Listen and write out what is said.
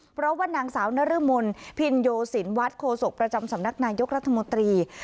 เพราะว่านางสาวนรมนพินโยสินวัฒน์โคศกประจำสำนักนายกรัฐมนตรี